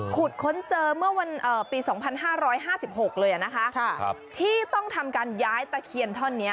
ค้นเจอเมื่อปี๒๕๕๖เลยนะคะที่ต้องทำการย้ายตะเคียนท่อนนี้